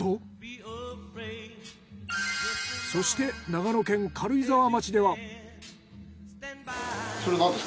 そして長野県軽井沢町では。